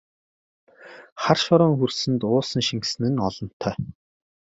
Хар шороон хөрсөнд уусан шингэсэн нь олонтой!